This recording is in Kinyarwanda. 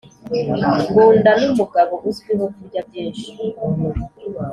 Ngunda numugabo uzwiho kurya byinshi